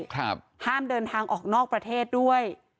ห้ามเดินทางออกนอกประเทศด้วย